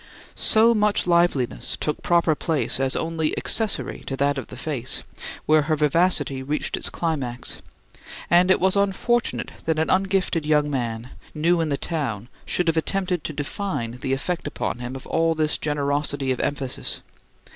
So much liveliness took proper place as only accessory to that of the face, where her vivacity reached its climax; and it was unfortunate that an ungifted young man, new in the town, should have attempted to define the effect upon him of all this generosity of emphasis.